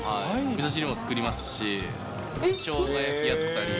みそ汁も作りますし、しょうが焼きやったり。